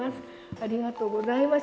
ありがとうございます。